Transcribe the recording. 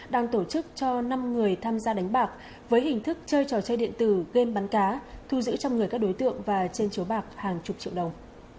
đang tổ chức cho năm người tham gia đánh bạc với hình thức chơi trò chơi điện tử game bắn cá thu giữ trong người các đối tượng và trên chố bạc hàng chục triệu đồng